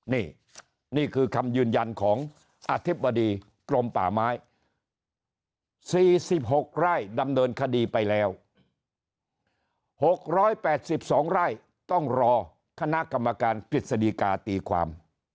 นี่นี่คือคำยืนยันของอธิบดีกรมป่าไม้๔๖ไร่ดำเนินคดีไปแล้ว๖๘๒ไร่ต้องรอคณะกรรมการกฤษฎีกาตีความ